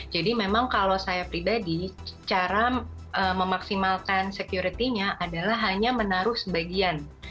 memang kalau saya pribadi cara memaksimalkan security nya adalah hanya menaruh sebagian